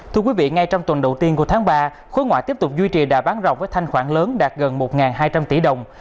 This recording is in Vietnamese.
thưa quý vị ngay trong tuần đầu tiên của tháng ba khối ngoại tiếp tục duy trì đà bán rồng với thanh khoản lớn đạt gần một hai trăm linh tỷ đồng